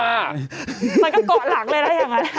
มันก็เกาะหลังเลยนะอย่างนั้น